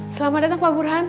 selamat datang pak burhan